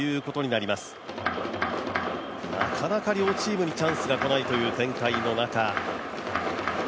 なかなか両チームにチャンスがこないという展開の中。